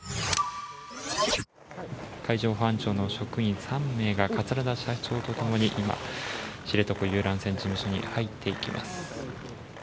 海上保安庁の職員３名が桂田社長と共に今、知床遊覧船事務所に入っていきます。